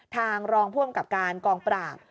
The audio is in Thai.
ทางรองพ่วงกับการกองปราก